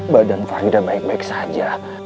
badan fahidah baik baik saja